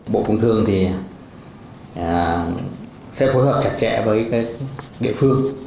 bộ công thương thì sẽ phối hợp chặt chẽ với địa phương